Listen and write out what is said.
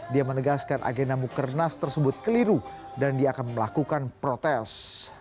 dia menegaskan agenda mukernas tersebut keliru dan dia akan melakukan protes